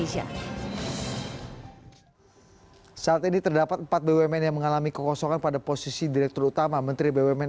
saat ini terdapat empat bumn yang mengalami kekosongan pada posisi direktur utama menteri bumn